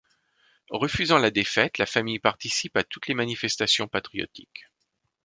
Refusant la défaite, la famille participe à toutes les manifestations patriotiques.